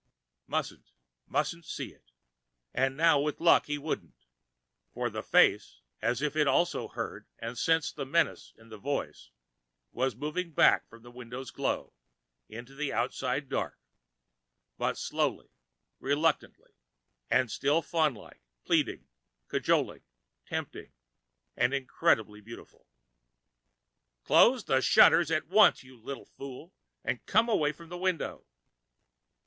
Mustn't, mustn't see it. And now, with luck, he wouldn't. For the face, as if it also heard and sensed the menace in the voice, was moving back from the window's glow into the outside dark, but slowly, reluctantly, and still faunlike, pleading, cajoling, tempting, and incredibly beautiful. "Close the shutters at once, you little fool, and come away from the window!"